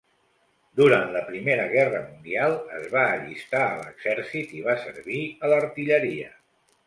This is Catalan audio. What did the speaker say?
Durant la Primera Guerra Mundial es va allistar a l'exèrcit i va servir a l'artilleria.